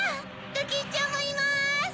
ドキンちゃんもいます！